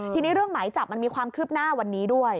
ทีนี้เรื่องหมายจับมันมีความคืบหน้าวันนี้ด้วย